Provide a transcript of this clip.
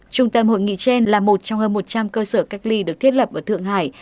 trung tâm hội nghị trên là một trong hơn một trăm linh cơ sở cách ly được thiết lập ở thượng hải